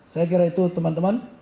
saya kira itu teman teman